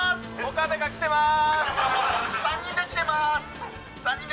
岡部が来てまーす